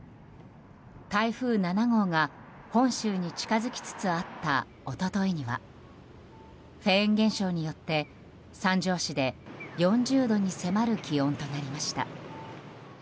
台風７号が、本州に近づきつつあった一昨日にはフェーン現象によって三条市で４０度に迫る気温となりました。